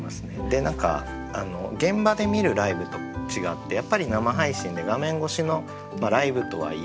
何か現場で見るライブと違ってやっぱり生配信で画面越しのライブとはいえ